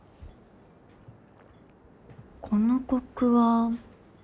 このコクは。